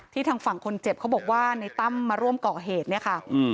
ทางฝั่งคนเจ็บเขาบอกว่าในตั้มมาร่วมก่อเหตุเนี่ยค่ะ